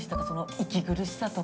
息苦しさとか。